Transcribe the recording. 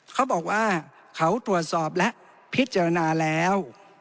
เขาบอกว่าเขาตรวจสอบและพิจารณาแล้ว